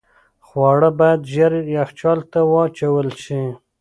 خواړه باید ژر یخچال ته واچول شي.